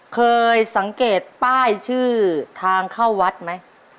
เคยสังเกตป้ายชื่อทางเข้าวัดไหม